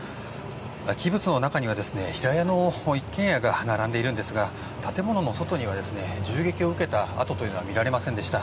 キブツの中には平屋の一軒家が並んでいるんですが建物の外には銃撃を受けた跡が見られませんでした。